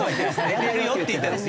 「寝てるよ」って言ったんです。